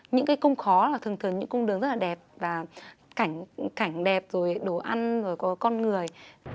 những cái cung khó là thường thường những cung đường rất là đẹp và cảnh đẹp rồi đồ ăn rồi có con người